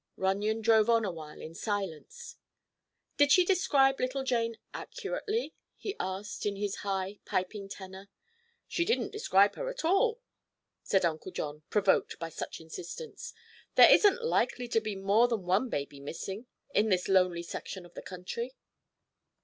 Runyon drove on a while in silence. "Did she describe little Jane accurately?" he asked, in his high, piping tenor. "She didn't describe her at all," said Uncle John, provoked by such insistence. "There isn't likely to be more than one baby missing, in this lonely section of the country."